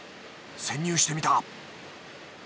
潜入してみた。